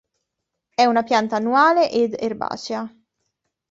È una pianta annuale ed erbacea.